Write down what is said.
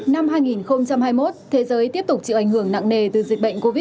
năm hai nghìn hai mươi một thế giới tiếp tục chịu ảnh hưởng nặng nề từ dịch bệnh covid một mươi chín